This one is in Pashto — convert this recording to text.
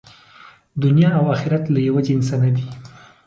دنیا او آخرت له یوه جنسه نه دي.